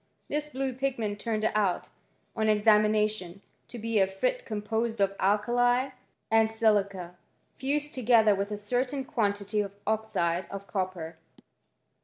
This blue pigment turned out, on examination, to be a frit composed of alkali and I silica, fused togetherwithacertainquantityofoxideof I copper.